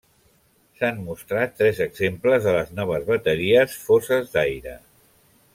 S'han mostrat tres exemples de les noves bateries foses d'aire.